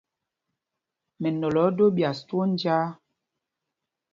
Mɛnɔlɔ ɛ́ ɛ́ dō ɓyas twóó njāā.